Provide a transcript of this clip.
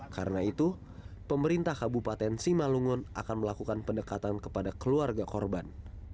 karena itu pemerintah kabupaten simalungun akan melakukan pendekatan kepada keluarga korban